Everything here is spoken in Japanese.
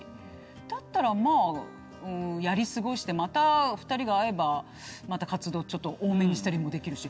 だったらまぁやり過ごしてまた２人があえばまた活動ちょっと多めにしたりもできるし。